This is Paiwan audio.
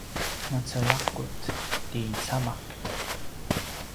macelaqut ti camak